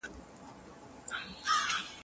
زموږ محصولات په سیمه کي پیژندل سوي دي.